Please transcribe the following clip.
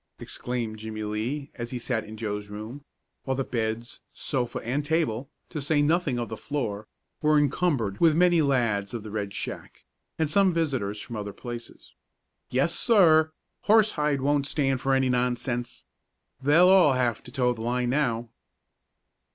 exclaimed Jimmie Lee, as he sat in Joe's room, while the beds, sofa and table, to say nothing of the floor, were encumbered with many lads of the Red Shack, and some visitors from other places. "Yes, sir! Horsehide won't stand for any nonsense. They'll all have to toe the line now."